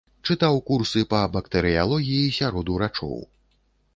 Чытаў курсы па бактэрыялогіі сярод урачоў.